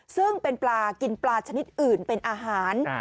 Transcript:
ซึ่งเป็นปลากินปลาชนิดอื่นเป็นอาหาร